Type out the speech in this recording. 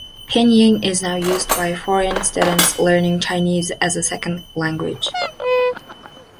Pinyin is now used by foreign students learning Chinese as a second language.